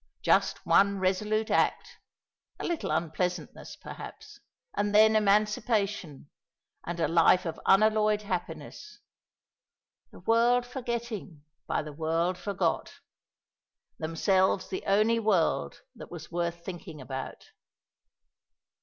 Just one resolute act a little unpleasantness, perhaps; and then emancipation, and a life of unalloyed happiness "the world forgetting, by the world forgot" themselves the only world that was worth thinking about.